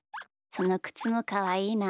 そのくつもかわいいな。